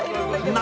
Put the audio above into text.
何？